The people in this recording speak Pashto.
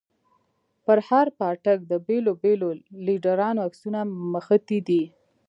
پر هر پاټک د بېلو بېلو ليډرانو عکسونه مښتي دي.